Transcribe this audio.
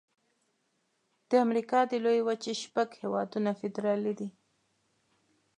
د امریکا د لویې وچې شپږ هيوادونه فدرالي دي.